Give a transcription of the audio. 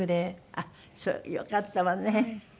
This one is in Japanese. あっよかったわね。